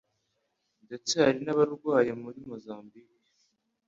ndetse hari n'abarwanye muri Mozambique.